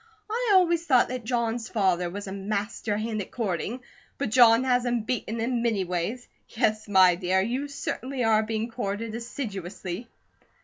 I always thought that John's father was a master hand at courting, but John has him beaten in many ways. Yes, my dear, you certainly are being courted assiduously."